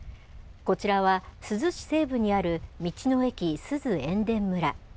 こちらは、珠洲市西部にある道の駅すず塩田村。